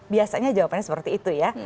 biasanya jawabannya seperti itu ya